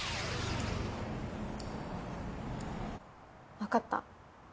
わかった。